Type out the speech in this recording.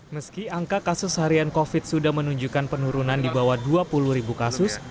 meski angka kasus harian covid sudah menunjukkan penurunan di bawah dua puluh ribu kasus